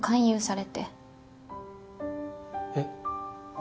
えっ。